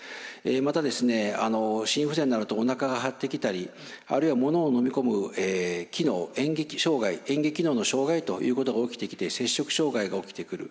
また心不全になるとおなかが張ってきたりあるいはものを飲み込む機能嚥下機能の障害ということが起きてきて摂食障害が起きてくる。